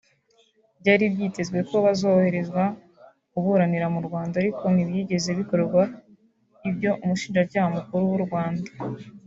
Byari byitezwe ko boherezwa kuburanira mu Rwanda ariko ntibyigeze bikorwa ibyo Umushinjacyaha Mukuru w’u Rwanda